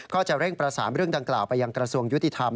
ก็จะเร่งประสานเรื่องดังกล่าวไปยังกระทรวงยุติธรรม